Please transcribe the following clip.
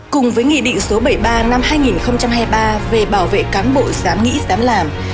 cùng với nghị định số bảy mươi ba năm hai nghìn hai mươi ba về bảo vệ cán bộ giám nghị giám làm